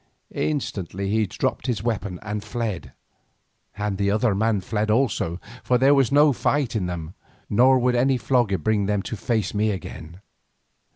Instantly he dropped his weapon and fled, and the other man fled also, for there was no fight in them, nor would any flogging bring them to face me again.